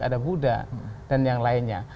ada buddha dan yang lainnya